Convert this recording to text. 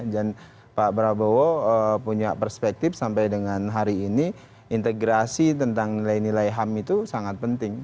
dan pak prabowo punya perspektif sampai dengan hari ini integrasi tentang nilai nilai ham itu sangat penting